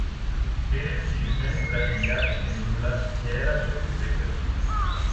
πήρε τη σχισμένη τραχηλιά της Ειρηνούλας κι έραψε τις τρύπες.